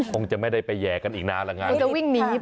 คงจะไม่ได้ไปแย่กันอีกนานละงั้น